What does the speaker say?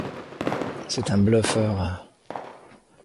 C'est un bluffeur.